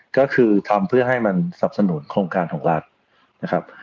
ก็คือทำเพื่อให้มันสับสนุนโครงการของรัฐนะครับ